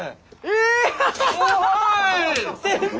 え！